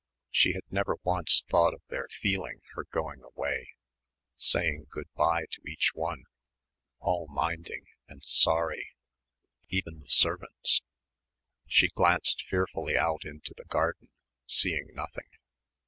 She had never once thought of their "feeling" her going away ... saying good bye to each one ... all minding and sorry even the servants. She glanced fearfully out into the garden, seeing nothing.